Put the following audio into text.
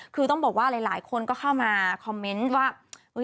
คือต้องบอกว่าหลายคนก็เข้ามาคอมเมนต์ว่า